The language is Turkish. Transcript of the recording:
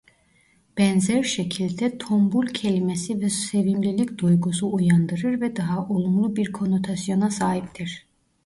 Benzer şekilde "tombul" kelimesi de sevimlilik duygusu uyandırır ve daha olumlu bir konotasyona sahiptir.